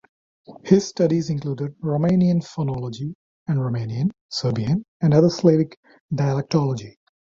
His studies included Romanian phonology, and Romanian, Serbian, and other Slavic dialectology.